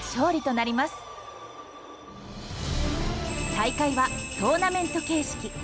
大会はトーナメント形式。